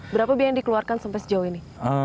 berapa biaya yang dikeluarkan sampai sejauh ini